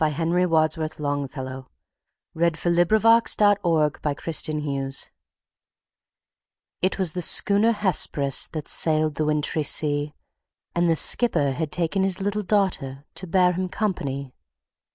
Henry Wadsworth Longfellow The Wreck of the Hesperus IT was the schooner Hesperus That sailed the wintry sea: And the skipper had taken his little daughter, To bear him company.